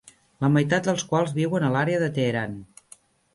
La meitat dels quals viuen a l'àrea de Teheran.